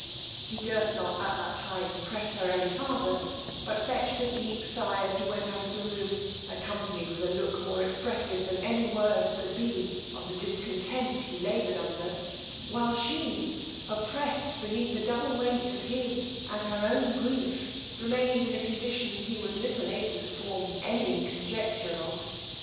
He durst not at that time press her any farther, but fetched a deep sigh as he went out of the room, accompanied with a look more expressive than any words could be of the discontent he laboured under, while she, oppressed beneath the double weight of his and her own grief, remained in a condition he was little able to form any conjecture of.